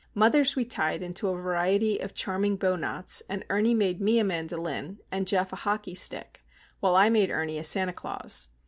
Mother's we tied into a variety of charming bow knots; and Ernie made me a mandolin, and Geof a hockey stick, while I made Ernie a Santa Claus.